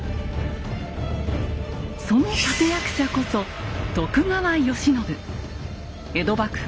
その立て役者こそ江戸幕府